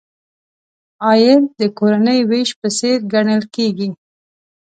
عاید د کورنۍ وېش په څېر ګڼل کیږي.